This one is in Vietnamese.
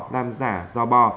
làm giả giò bò